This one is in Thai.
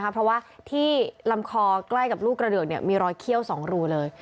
เพราะว่าที่ลำคอใกล้กับลูกกระเดือกมีรอยเขี้ยว๒รูเลย